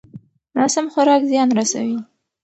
ناسم خوراک زیان رسوي.